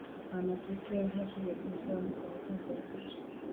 anatetea haki za binadamu kwa watanzania